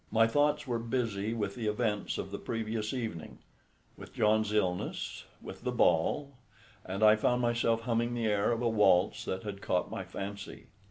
My thoughts were busy with the events of the previous evening, with John's illness, with the ball, and I found myself humming the air of a waltz that had caught my fancy.